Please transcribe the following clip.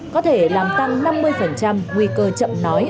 có thể làm tăng năm mươi nguy cơ chậm nói